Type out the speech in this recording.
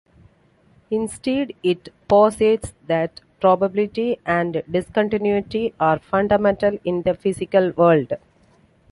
Instead, it posits that probability, and discontinuity, are fundamental in the physical world.